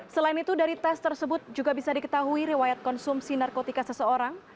selain itu dari tes tersebut juga bisa diketahui riwayat konsumsi narkotika seseorang